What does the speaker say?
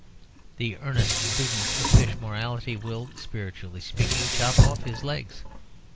The earnest student of fish morality will, spiritually speaking, chop off his legs.